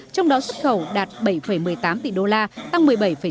trong đó xuất khẩu đạt bảy một mươi tám tỷ đô la tăng một mươi bảy chín mươi tám